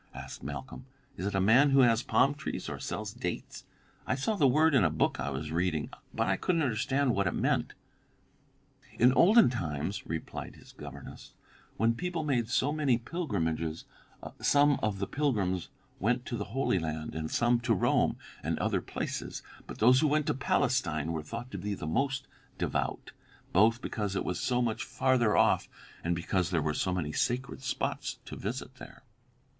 asked Malcolm. "Is it a man who has palm trees or who sells dates? I saw the word in a book I was reading, but I couldn't understand what it meant." "In olden times," replied his governess, "when people made so many pilgrimages, some of the pilgrims went to the Holy Land and some to Rome and other places; but those who went to Palestine were thought to be the most devout, both because it was so much farther off and because there were so many sacred spots to visit there.